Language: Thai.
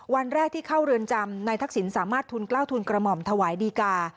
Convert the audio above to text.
วันแรกที่เข้าเรือนจำนายทักษิณสามารถทุนกล้าวทุนกระหม่อมถวายดีกา